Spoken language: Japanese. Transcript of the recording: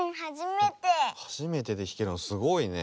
はじめてでひけるのすごいね。